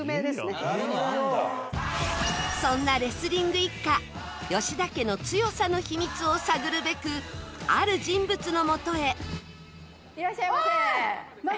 そんなレスリング一家吉田家の強さの秘密を探るべくある人物のもとへ。